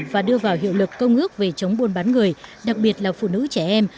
và đưa vào hiệu lực công ước về chống buôn bán người đặc biệt là phụ nữ trẻ em